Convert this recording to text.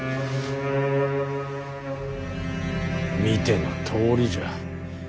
見てのとおりじゃ。